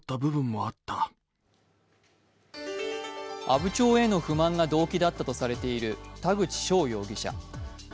阿武町への不満が動機だったとされる田口翔容疑者。